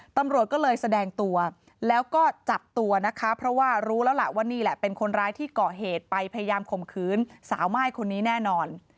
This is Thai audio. ตำรวจก็เลยแสดงตัวแล้วก็จับตัวนะคะเพราะว่ารู้แล้วล่ะว่านี่แหละเป็นคนร้ายที่ก่อเหตุไปพยายามข่มขืนสาวม่ายคนนี้แน่นอน